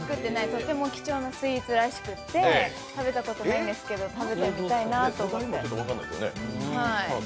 とても貴重なスイーツらしくて食べたことないんですけど、食べてみたいなと思って。